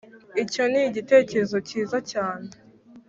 icyo ni igitekerezo cyiza cyane.